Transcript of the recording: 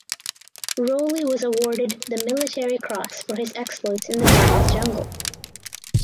Rowley was awarded the Military Cross for his exploits in the Burmese jungle.